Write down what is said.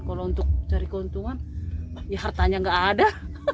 kalau untuk cari keuntungan ya hartanya nggak ada